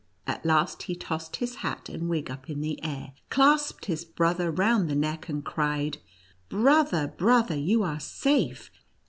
—" At last, he tossed his hat and wig up in the air, clasped his brother round the neck, and cried :" Brother, brother, you are safe